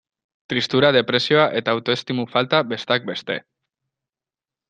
Tristura, depresioa eta autoestimu falta, besteak beste.